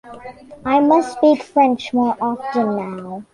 I must speak French more often now.